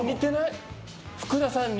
福田さんに。